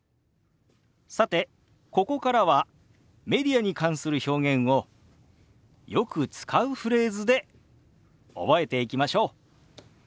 さてここからはメディアに関する表現をよく使うフレーズで覚えていきましょう。